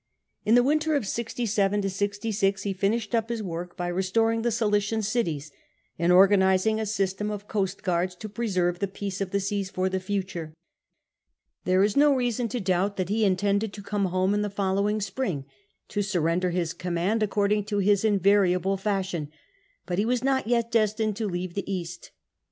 In the winter of 67 66 he was finishing up his work by restoring the Cilician cities, and organising a system of coastguards to preserve the peace of the seas for the future. There is no reason to doubt that he intended to come home in the following spring to surrender his command, according to his invari able fashion : but he was not yet destined to leave the East.